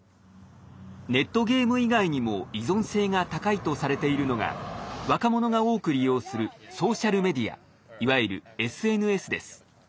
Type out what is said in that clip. ネットゲーム以外にも依存性が高いとされているのが若者が多く利用するソーシャルメディアいわゆるＳＮＳです。